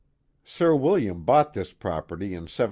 Sir William bought this property in 1739.